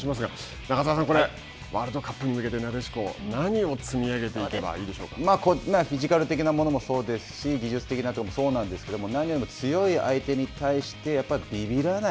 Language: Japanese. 中澤さん、ワールドカップに向けて、なでしこ、何を積み上げていフィジカル的なものもそうですし、技術的なところもそうなんですけども、何よりも強い相手に対して、びびらない。